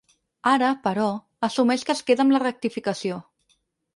Ara, però, assumeix que ‘es queda amb la rectificació’.